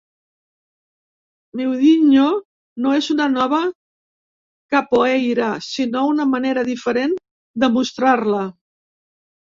Miudinho no és una nova capoeira, sinó una manera diferent de mostrar-la.